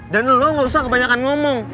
dan lo gak usah kebanyakan ngomong